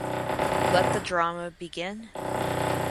Let the drama begin!